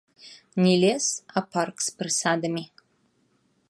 Не лес, а парк з прысадамі.